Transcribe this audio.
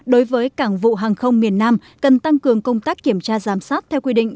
đối với cảng vụ hàng không miền nam cần tăng cường công tác kiểm tra giám sát theo quy định